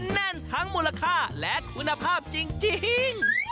แน่นทั้งมูลค่าและคุณภาพจริง